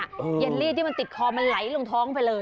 เย็นลี่ที่มันติดคอมันไหลลงท้องไปเลย